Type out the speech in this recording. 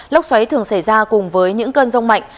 lốc xoáy thường xảy ra cùng với những cơn rông mạnh